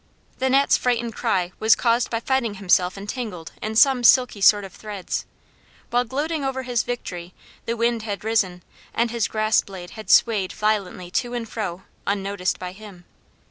_" The Gnat's frightened cry was caused by finding himself entangled in some silky sort of threads. While gloating over his victory, the wind had risen, and his grass blade had swayed violently to and fro unnoticed by him.